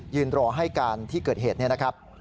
รอให้การที่เกิดเหตุเนี่ยนะครับ